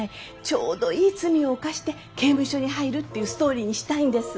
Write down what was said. ちょうどいい罪を犯して刑務所に入るっていうストーリーにしたいんです。